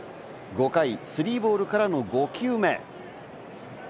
５回、３ボールからの５球目。